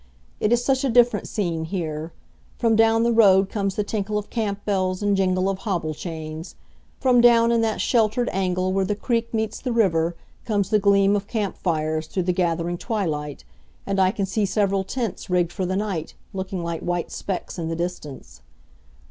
It is such a different scene here. From down the road comes the tinkle of camp bells and jingle of hobble chains. From down in that sheltered angle where the creek meets the river comes the gleam of camp fires through the gathering twilight, and I can see several tents rigged for the night, looking like white specks in the distance.